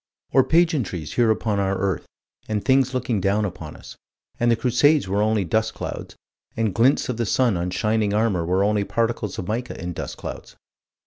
Or pageantries here upon our earth, and things looking down upon us and the Crusades were only dust clouds, and glints of the sun on shining armor were only particles of mica in dust clouds.